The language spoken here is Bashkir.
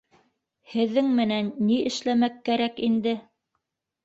Һеҙҙең менән ни эшләмәк кәрәк инде.